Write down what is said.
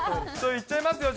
言っちゃいますよ。